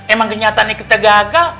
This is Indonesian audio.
emang kenyataannya kita gagal